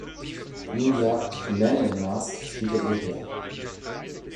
Nun jagt Man in the Mask hinter ihr her.